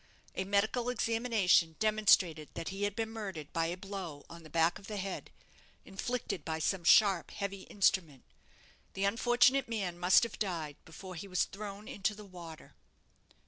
A medical examination demonstrated that he had been murdered by a blow on the back of the head, inflicted by some sharp heavy instrument. The unfortunate man must have died before he was thrown into the water.